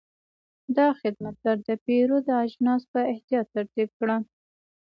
دا خدمتګر د پیرود اجناس په احتیاط ترتیب کړل.